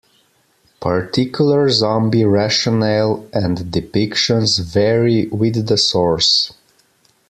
Particular zombie rationale and depictions vary with the source.